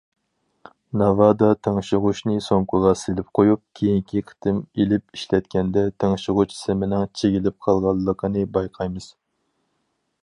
ناۋادا تىڭشىغۇچنى سومكىغا سېلىپ قويۇپ، كېيىنكى قېتىم ئېلىپ ئىشلەتكەندە، تىڭشىغۇچ سىمىنىڭ چىگىلىپ قالغانلىقىنى بايقايمىز.